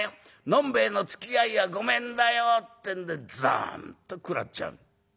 飲んべえのつきあいはごめんだよ』ってんでざんっと食らっちゃう」。